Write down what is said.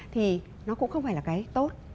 thì nó cũng không phải là cái tốt